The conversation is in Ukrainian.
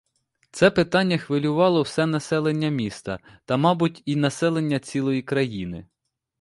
Це питання хвилювало все населення міста та, мабуть, і населення цілої країни.